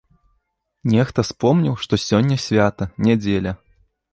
Нехта спомніў, што сёння свята, нядзеля.